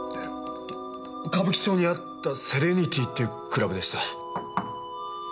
歌舞伎町にあった「セレニティー」っていうクラブでした。